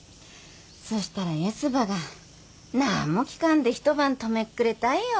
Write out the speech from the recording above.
そしたらヤスばがなあんも聞かんで一晩泊めっくれたっよ。